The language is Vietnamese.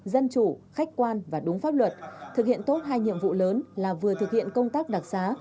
dân chủ khách quan và đúng pháp luật thực hiện tốt hai nhiệm vụ lớn là vừa thực hiện công tác đặc xá